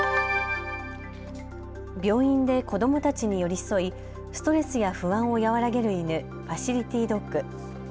病院で子どもたちに寄り添い、ストレスや不安を和らげる犬、ファシリティドッグ。